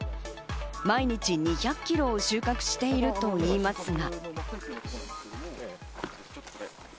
毎日２００キロを収穫しているといいますが。